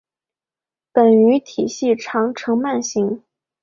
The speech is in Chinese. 本鱼体细长呈鳗形。